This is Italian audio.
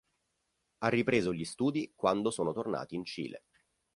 Ha ripreso gli studi quando sono tornati in Cile.